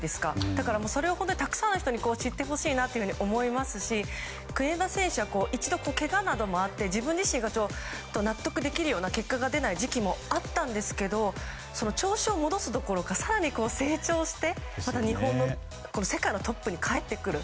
だからそれほどたくさんの人に知ってほしいなと思いますし、国枝選手は一度けがなどもあって自分自身が納得できるような結果が出ない時期もあったんですけど調子を戻すどころか更に成長してまた世界のトップに帰ってくる。